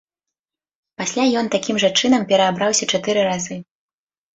Пасля ён такім жа чынам пераабраўся чатыры разы.